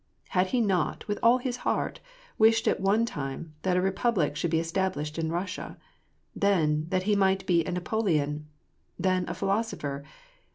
Had he not, with all his heart, wished at one time that a re public should be established in Russia ? then, that he might be a Napoleon ? then, a philosopher